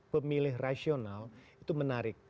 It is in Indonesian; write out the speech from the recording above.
pemilih rasional itu menarik